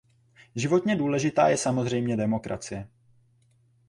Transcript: Životně důležitá je samozřejmě demokracie.